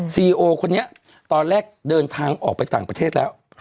ตอนแรกเดินทางออกไปต่างประเทศแล้ว